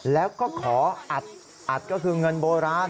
แล้วก็ขออัดก็คือเงินโบราณ